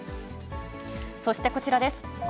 そしてこちらです。